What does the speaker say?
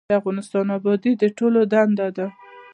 د افغانستان ابادي د ټولو دنده ده